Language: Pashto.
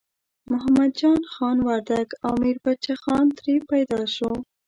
محمد جان خان وردګ او میربچه خان ترې پیدا شو.